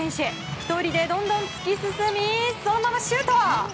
１人でどんどん突き進みそのままシュート！